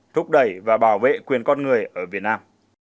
thúc đẩy và bảo vệ quyền con người ở việt nam